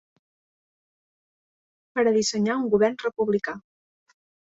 Per a dissenyar un govern republicà.